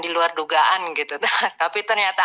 di luar dugaan gitu tapi ternyata